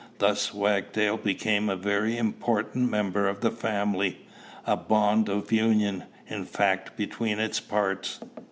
Thus Wagtail became a very important member of the family, a bond of union, in fact, between its parts.